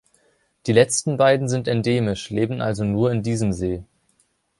Die letzten beiden sind endemisch, leben also nur in diesem See.